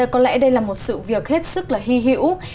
có lẽ đây là một sự việc hết sức là hy hữu